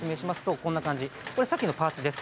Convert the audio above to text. さっきのパーツです。